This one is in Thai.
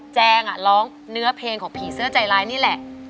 แงร้องเนื้อเพลงของผีเสื้อใจร้ายนี่แหละ